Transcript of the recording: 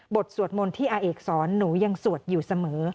สวดมนต์ที่อาเอกสอนหนูยังสวดอยู่เสมอ